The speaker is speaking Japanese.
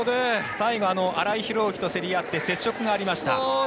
最後荒井広宙と競り合って接触がありました。